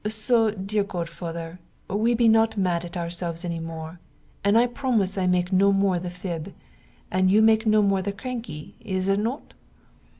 So, dear godfather, we be not mad at ourselves any more, and I promise I make no more the fib, and you make no more the cranky, is it not?